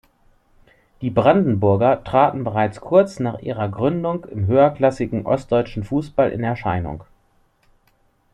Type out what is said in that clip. Die Brandenburger traten bereits kurz nach ihrer Gründung im höherklassigen ostdeutschen Fußball in Erscheinung.